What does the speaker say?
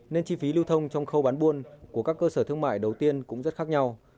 nên chi phí lưu thông trong khâu bán buôn của các cơ sở thương mại đầu tiên cũng rất khác nhau